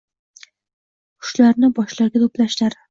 xushlarini boshlariga to'plashlari